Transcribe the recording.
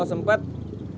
gak ada yang ngerti